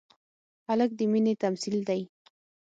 هلک د مینې تمثیل دی.